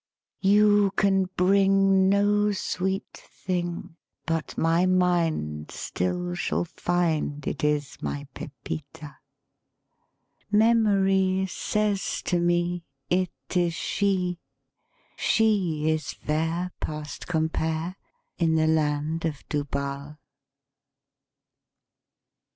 You can bring No sweet thing, But my mind Still shall find It is my Pepita. Memory Says to me It is she She is fair Past compare In the land of Tubal."